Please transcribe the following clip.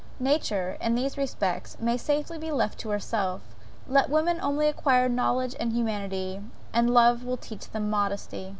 Nature, in these respects, may safely be left to herself; let women only acquire knowledge and humanity, and love will teach them modesty.